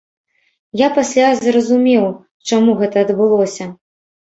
Я пасля зразумеў, чаму гэта адбылося.